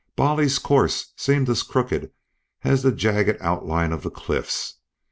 Bolly's course seemed as crooked as the jagged outline of the cliffs.